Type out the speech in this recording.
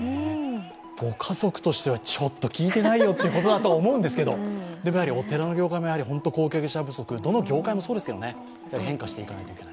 ご家族としてはちょっと聞いてないよっていうことだと思うんですけれどもお寺の業界も後継者不足、どの業界もそうですけど変化していかなくちゃいけない。